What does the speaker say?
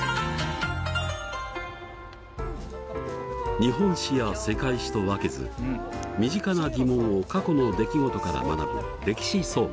日本史や世界史と分けず身近な疑問を過去の出来事から学ぶ「歴史総合」。